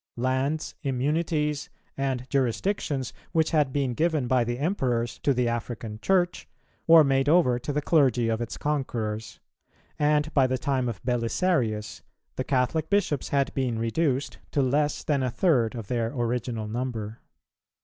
Lands, immunities, and jurisdictions, which had been given by the Emperors to the African Church, were made over to the clergy of its conquerors; and by the time of Belisarius, the Catholic Bishops had been reduced to less than a third of their original number.